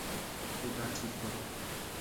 ওটা ঠিক কর।